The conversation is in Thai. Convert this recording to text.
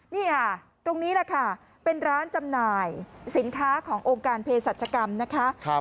นี่ค่ะตรงนี้แหละค่ะเป็นร้านจำหน่ายสินค้าขององค์การเพศรัชกรรมนะคะ